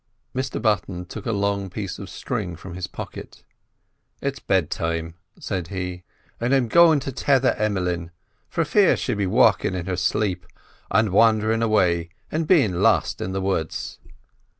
Mr Button took a long piece of string from his pocket. "It's bedtime," said he; "and I'm going to tether Em'leen, for fear she'd be walkin' in her slape, and wandherin' away an' bein' lost in the woods."